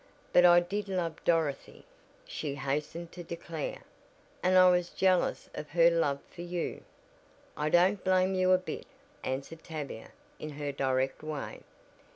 But I did love Dorothy," she hastened to declare, "and I was jealous of her love for you." "I don't blame you a bit," answered Tavia, in her direct way.